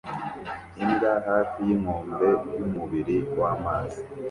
Imbwa hafi yinkombe yumubiri wamazi